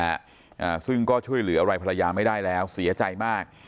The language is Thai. อ่าซึ่งก็ช่วยเหลืออะไรภรรยาไม่ได้แล้วเสียใจมาก